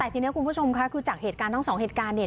แต่ทีนี้คุณผู้ชมค่ะคือจากเหตุการณ์ทั้งสองเหตุการณ์เนี่ย